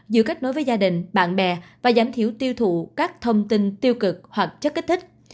giữa kết nối với gia đình bạn bè và giảm thiểu tiêu thụ các thông tin tiêu cực hoặc chất kích thích